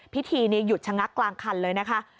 พิธีหยุดชะงักกลางคันเลยนะคะ